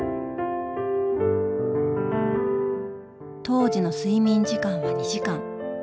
当時の睡眠時間は２時間。